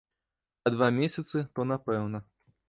А два месяцы, то напэўна.